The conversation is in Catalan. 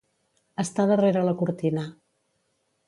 Estar darrere la cortina.